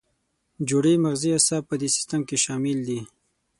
جوړې مغزي اعصاب په دې سیستم کې شامل دي.